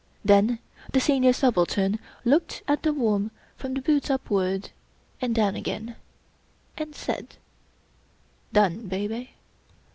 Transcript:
Then the Senior Subaltern looked at The Worm from the boots upward, and down agam and said :" Done, Baby."